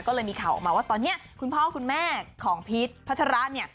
ก็เลยมีข่าวออกมาว่าตอนนี้คุณพ่อคุณแม่ของพีชพัชระเนี่ย